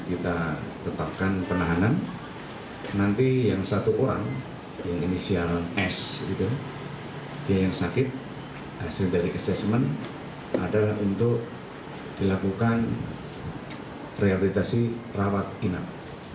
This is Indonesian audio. kita tetapkan penahanan nanti yang satu orang yang inisial s dia yang sakit hasil dari assessment adalah untuk dilakukan rehabilitasi rawat inap